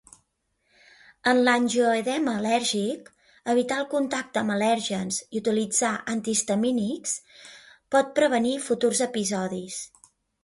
En l'angioedema al·lèrgic, evitar el contacte amb al·lèrgens i utilitzar antihistamínics pot prevenir futurs episodis.